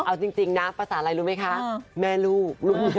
เอาจริงนะภาษาอะไรรู้ไหมคะแม่ลูก